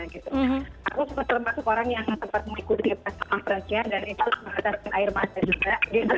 aku suka termasuk orang yang sempat mengikuti persenafannya dan itu mengatasi air mata juga